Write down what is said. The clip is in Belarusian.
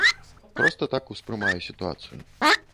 Проста так успрымаю сітуацыю.